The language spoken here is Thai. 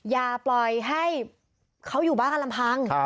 อย่าปล่อยให้เขาอยู่บ้านกันลำพัง